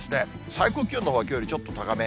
最高気温のほうは、きょうよりちょっと高め。